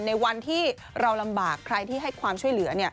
ในวันที่เราลำบากใครที่ให้ความช่วยเหลือ